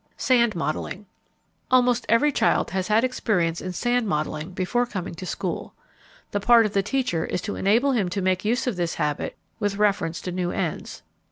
Sand Modeling. Almost every child has had experience in sand modeling before coming to school. The part of the teacher is to enable him to make use of this habit with reference to new ends.